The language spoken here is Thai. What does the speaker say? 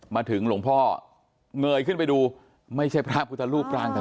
หลวงพ่อเงยขึ้นไปดูไม่ใช่พระพุทธรูปรางต่าง